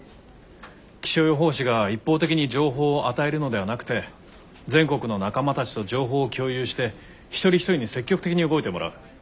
気象予報士が一方的に情報を与えるのではなくて全国の仲間たちと情報を共有して一人一人に積極的に動いてもらう。